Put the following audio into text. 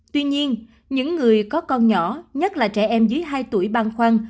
tuy nhiên những người có con nhỏ nhất là trẻ em dưới hai tuổi băng khoăn